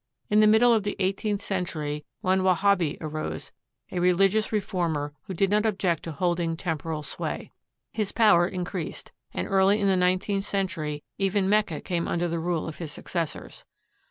In the middle of the eighteenth century one Wahhabi arose, a religious re former who did not object to holding temporal sway. His power increased, and early in the nineteenth century even Mecca came under the rule of his successors.